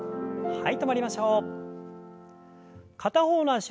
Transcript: はい。